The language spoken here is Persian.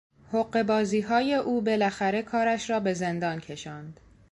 حقهبازیهای او بالاخره کارش را به زندان کشاند.